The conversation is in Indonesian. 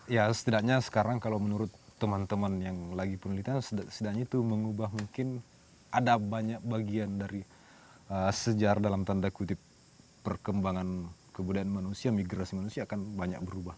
ya setidaknya sekarang kalau menurut teman teman yang lagi penelitian setidaknya itu mengubah mungkin ada banyak bagian dari sejarah dalam tanda kutip perkembangan kebudayaan manusia migrasi manusia akan banyak berubah